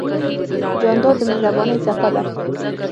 جانداد د مهربانۍ څپه ده.